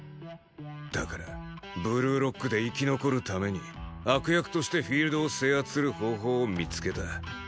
だからブルーロックで生き残るために悪役としてフィールドを制圧する方法を見つけた。